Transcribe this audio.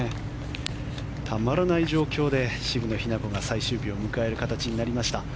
たまらない状況で渋野日向子が最終日を迎える形になりました。